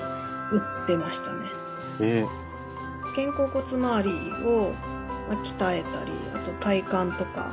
肩甲骨周りを鍛えたりあと体幹とか。